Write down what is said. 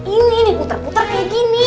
ini nih putar putar kayak gini